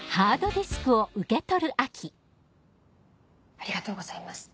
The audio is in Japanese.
ありがとうございます。